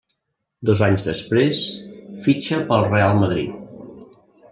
Dos anys després fitxa pel Reial Madrid.